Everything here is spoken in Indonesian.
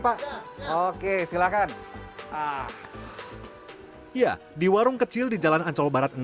beratnya bisa sekitar satu kg pakarto saya mau ini pak oke silakan ya di warung kecil di jalan ancol barat enam